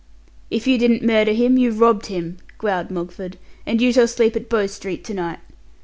"If you didn't murder him, you robbed him," growled Mogford, "and you shall sleep at Bow Street to night.